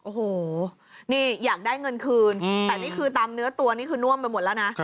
โอ้โหนี่อยากได้เงินคืนแต่นี่คือตามเนื้อตัวนี่คือน่วมไปหมดแล้วนะ